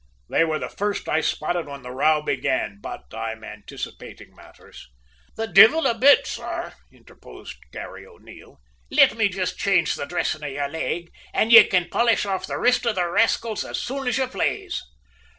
They were the first I spotted when the row began; but I'm anticipating matters." "The divvle a bit, sor," interposed Garry O'Neil. "Let me jist change the dressin' of your leg, an' ye can polish off the rist of the rascals as soon as ye plaize."